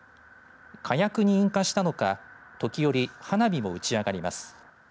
火薬に引火したのか、時折花火も打ち上がります。